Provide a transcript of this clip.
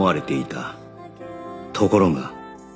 ところが